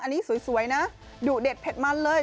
อันนี้สวยนะดุเด็ดเผ็ดมันเลย